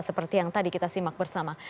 seperti yang tadi kita simak bersama